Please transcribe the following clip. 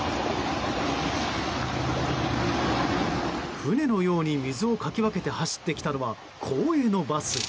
船のように水をかき分けて走ってきたのは公営のバス。